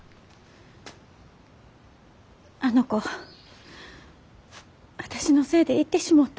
あの子私のせいで行ってしもうた。